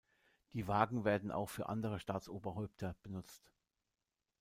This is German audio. Die Wagen werden auch für andere Staatsoberhäupter benutzt.